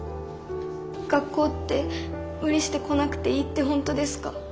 学校って無理して来なくていいってほんとですか？